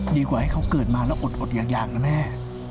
ดีกว่าให้เขาเกิดมาแล้วอดยางนะแม่